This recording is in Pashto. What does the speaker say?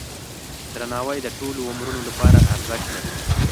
درناوی د ټولو عمرونو لپاره ارزښت لري.